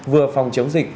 vừa phòng chống dịch